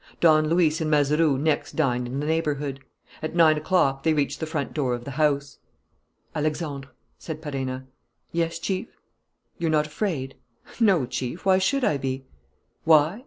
Don Luis and Mazeroux next dined in the neighbourhood. At nine o'clock they reached the front door of the house. "Alexandre," said Perenna. "Yes, Chief?" "You're not afraid?" "No, Chief. Why should I be?" "Why?